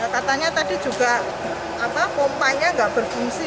katanya tadi juga pompa nya nggak berfungsi